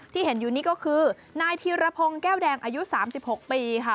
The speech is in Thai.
ที่เห็นอยู่นี่ก็คือนายธีรพงศ์แก้วแดงอายุ๓๖ปีค่ะ